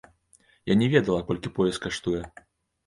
Я не ведала, колькі пояс каштуе.